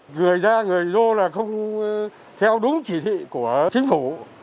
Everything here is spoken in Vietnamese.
người ra người vô là không theo đúng chỉ thị của chính phủ